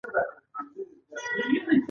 یو کېدلو غوښتنه کوي.